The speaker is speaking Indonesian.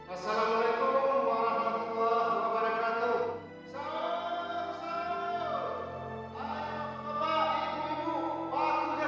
assalamualaikum warahmatullahi wabarakatuh